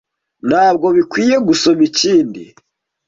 Ntabwo bikwiye gusoma ikindi.